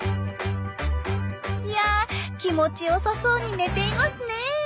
いや気持ちよさそうに寝ていますねえ。